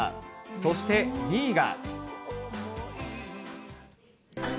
そして２位が。